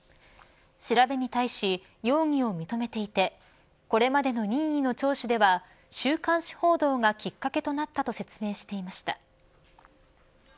調べに対し、容疑を認めていてこれまでの任意の聴取では週刊誌報道がきっかけとなったと説明していました。